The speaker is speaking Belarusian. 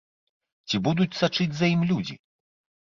Ці будуць сачыць за ім людзі?